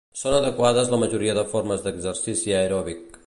Són adequades la majoria de formes d'exercici aeròbic.